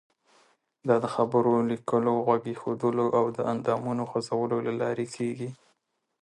دا د خبرو، لیکلو، غوږ ایښودلو او د اندامونو خوځولو له لارې کیږي.